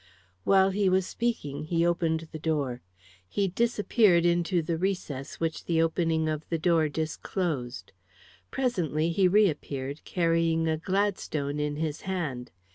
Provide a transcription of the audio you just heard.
While he was speaking he opened the door. He disappeared into the recess which the opening of the door disclosed. Presently he reappeared carrying a Gladstone in his hand.